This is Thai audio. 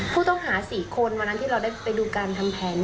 ผู้ต้องหา๔คนวันนั้นที่เราได้ไปดูการทำแผน